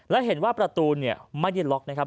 และเห็นว่าประตูไม่ได้ล็อกนะครับ